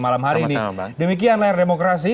malam hari ini sama sama bang demikian layar demokrasi